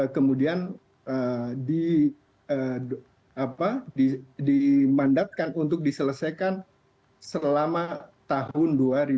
kemudian dimandatkan untuk diselesaikan selama tahun dua ribu dua puluh